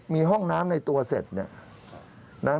มีห้องน้ำในตัวเสร็จเนี่ยนะ